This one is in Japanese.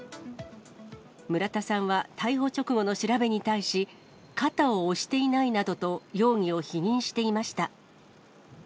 村田さんは逮捕直後の調べに対し、肩を押していないなどと容疑を否認していました。